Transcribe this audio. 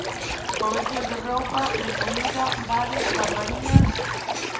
Comercios de roupa, de comida, bares, barbarías...